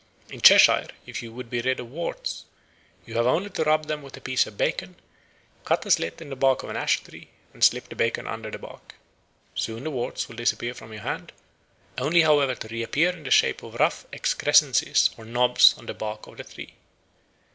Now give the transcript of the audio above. In Cheshire if you would be rid of warts, you have only to rub them with a piece of bacon, cut a slit in the bark of an ash tree, and slip the bacon under the bark. Soon the warts will disappear from your hand, only however to reappear in the shape of rough excrescences or knobs on the bark of the tree.